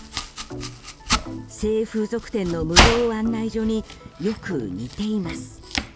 性風俗店の無料案内所によく似ています。